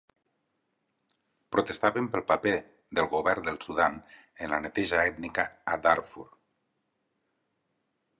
Protestaven pel paper del govern del Sudan en la neteja ètnica a Darfur.